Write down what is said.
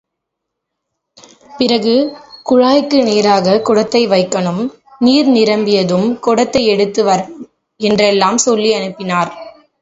பிறகு குழாய்க்கு நேராகக் குடத்தை வைக்கணும் நீர் நிரம்பியதும் குடத்தை எடுத்து வரணும் என்றெல்லாம் சொல்லி அனுப்பினார்.